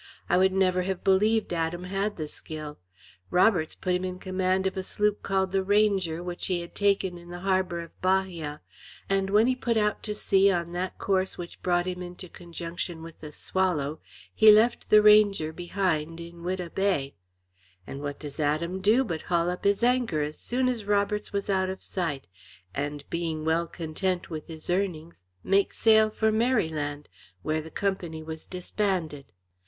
I would never have believed Adam had the skill. Roberts put him in command of a sloop called the Ranger, which he had taken in the harbour of Bahia, and when he put out to sea on that course which brought him into conjunction with the Swallow, he left the Ranger behind in Whydah Bay. And what does Adam do but haul up his anchor as soon as Roberts was out of sight, and, being well content with his earnings, make sail for Maryland, where the company was disbanded.